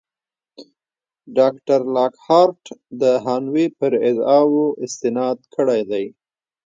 ډاکټر لاکهارټ د هانوې پر ادعاوو استناد کړی دی.